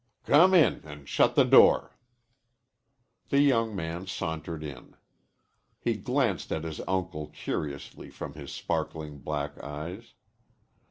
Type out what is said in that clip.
"Come in and shut the door." The young man sauntered in. He glanced at his uncle curiously from his sparkling black eyes.